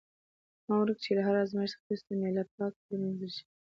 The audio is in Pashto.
پام وکړئ چې له هر آزمایښت څخه وروسته میله پاکه پرېمینځل شي.